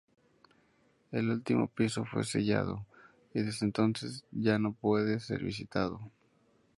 El último piso fue sellado, y desde entonces ya no puede ser visitado.